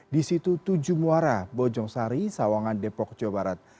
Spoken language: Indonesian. di situ tujuh muara bojong sari sawangan depok jawa barat